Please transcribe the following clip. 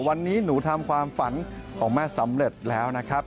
วันนี้หนูทำความฝันของแม่สำเร็จแล้วนะครับ